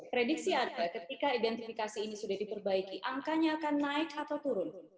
prediksi ada ketika identifikasi ini sudah diperbaiki angkanya akan naik atau turun